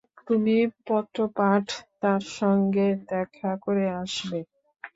তুমি পত্রপাঠ তাঁর সঙ্গে দেখা করে আসবে।